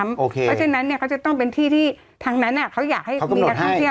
เพราะฉะนั้นเขาจะต้องเป็นที่ที่ทางนั้นเขาอยากให้มีนักท่องเที่ยว